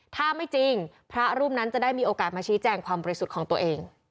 ถ้าไม่จริงพระรูปนั้นจะได้มีโอกาสมาชี้แจงความบริสุทธิ์ของตัวเอง